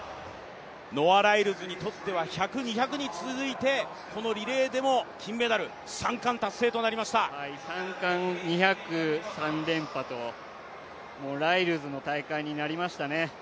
ノア・ライルズにとっては１００、２００に続いてこのリレーでも３冠、２００、３連覇と、ライルズの大会になりましたね。